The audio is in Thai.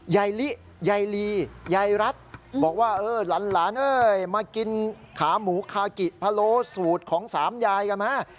ยายลิยายลียายรัฐบอกว่าเออหลานเอ้ยมากินขาหมูคากิพะโลสูตรของสามยายกันมา